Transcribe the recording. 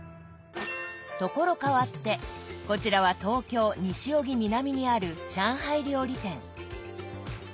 所変わってこちらは東京・西荻南にある上海料理店。